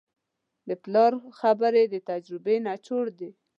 د پلار خبرې د تجربې نچوړ دی.